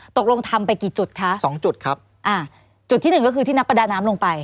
ตกลงทำไปกี่จุดคะสองจุดครับอ่าจุดที่หนึ่งก็คือที่นักประดาน้ำลงไป